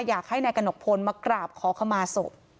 อยากให้นายกระหนกพลมากราบขอขมาศพ